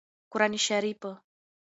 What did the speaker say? قران شريف